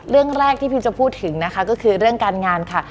เรื่องแรกที่พิมจะพูดถึงนะคะก็คือเรื่องการงานค่ะ